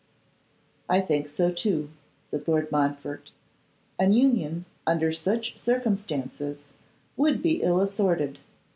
'I think so too,' said Lord Montfort; 'an union, under such circumstances, would be ill assorted.